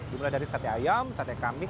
dimulai dari sate ayam sate kambing